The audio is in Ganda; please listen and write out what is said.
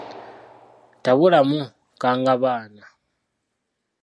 Tabulamu kkangabaana.